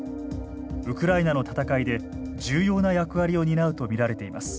ウクライナの戦いで重要な役割を担うと見られています。